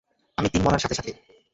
আমি তিন বলার সাথে সাথে।